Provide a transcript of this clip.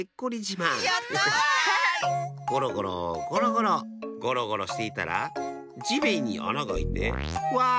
ゴロゴロゴロゴロゴロゴロしていたらじめんにあながあいてわ！